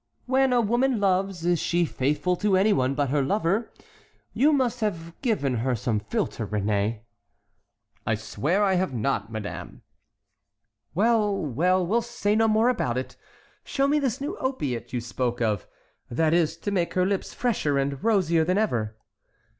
"When a woman loves, is she faithful to any one but her lover? You must have given her some philter, Réné." "I swear I have not, madame." "Well, well; we'll say no more about it. Show me this new opiate you spoke of, that is to make her lips fresher and rosier than ever."